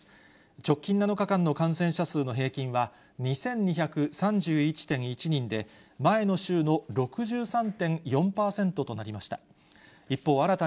直近７日間の感染者数の平均は２２３１．１人で、前の週の６３．４％となりました。